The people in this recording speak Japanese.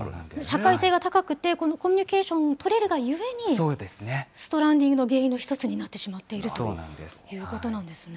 社会性が高くて、このコミュニケーションが取れるがゆえにストランディングの原因の１つになってしまっているということなんですね。